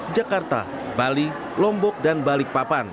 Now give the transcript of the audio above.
jakarta bali lombok dan balikpapan